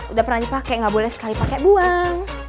udah pernah dipake gak boleh sekali pake buang